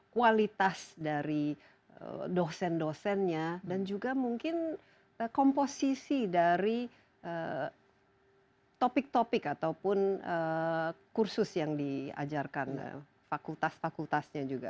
kualitas dari dosen dosennya dan juga mungkin komposisi dari topik topik ataupun kursus yang diajarkan fakultas fakultasnya juga